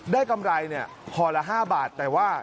ได้กำไรเนี่ยห่อละ๕บาทแต่ว่า